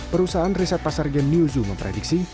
perusahaan riset pasar game newzoo memprediksi